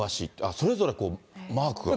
それぞれ、マークが。